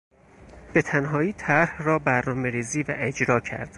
به تنهایی طرح را برنامه ریزی و اجرا کرد.